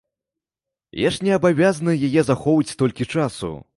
Я ж не абавязана яе захоўваць столькі часу.